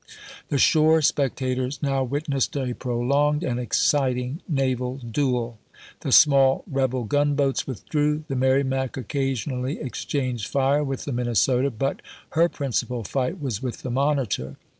The shore spectators now witnessed a prolonged and exciting naval duel. The small rebel gunboats withdrew. The Merrimac occasionally exchanged fire with the Minnesota, but her principal fight was with the Monitor.